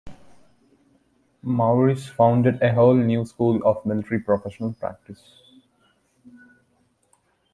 Maurice founded a whole new school of military professional practice.